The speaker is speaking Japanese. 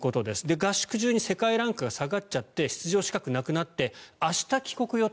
合宿中に世界ランクが下がって出場資格がなくなって明日、帰国予定